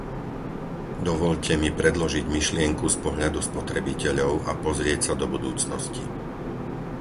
Dovoľte mi predložiť myšlienku z pohľadu spotrebiteľov a pozrieť sa do budúcnosti.